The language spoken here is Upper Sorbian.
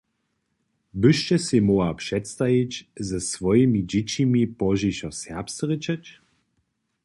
Byšće sej móhła předstajić, ze swojimi dźěćimi pozdźišo serbsce rěčeć?